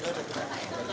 sudah sudah jalan